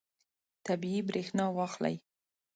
طبیعي برېښنا واخلئ.